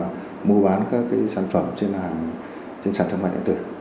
tổ chức mà mua bán các cái sản phẩm trên hàng trên sàn thương mại nạn tử